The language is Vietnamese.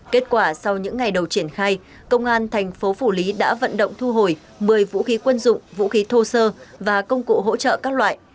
kết quả sau những ngày đầu triển khai công an thành phố phủ lý đã vận động thu hồi một mươi vũ khí quân dụng vũ khí thô sơ và công cụ hỗ trợ các loại